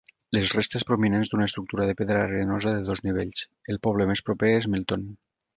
Les restes prominents d'una estructura de pedra arenosa de dos nivells. El poble més proper és Milton.